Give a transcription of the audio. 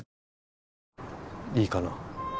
いいかな？